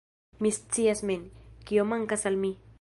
Mi scias mem, kio mankas al mi.